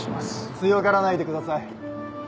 強がらないでください。